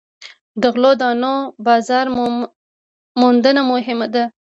د غلو دانو بازار موندنه مهمه ده.